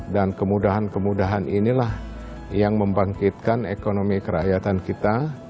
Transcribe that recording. dan kemudahan kemudahan inilah yang membangkitkan ekonomi kerakyatan kita